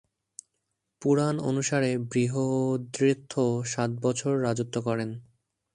পুরাণ অনুসারে, বৃহদ্রথ সাত বছর রাজত্ব করেন।